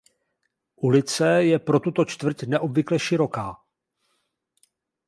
Ulice je pro tuto čtvrť neobvykle široká.